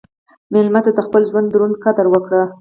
مېلمه ته د خپل ژوند دروند قدر ورکړه.